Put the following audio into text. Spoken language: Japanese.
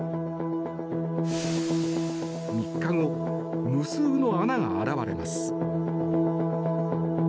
３日後、無数の穴が現れます。